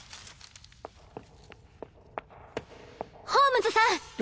ホームズさん！